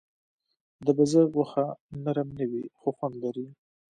د بزه غوښه نرم نه وي، خو خوند لري.